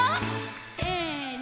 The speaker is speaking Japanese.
せの！